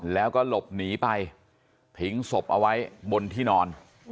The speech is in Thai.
แล้วก็หลบหนีไปทิ้งศพเอาไว้บนที่นอน